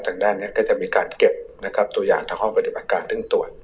ทางด้านนี้ก็จะมีการเก็บนะครับตัวอย่างทางห้องปฏิบัติการซึ่งตรวจ